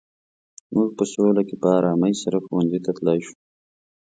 موږ په سوله کې په ارامۍ سره ښوونځي ته تلای شو.